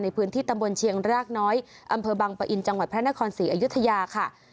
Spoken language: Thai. ในพื้นที่ตำบลเชียงรากน้อยอำเภอบังปะอินจังหวัดพระนครศรีอยุธยาค่ะ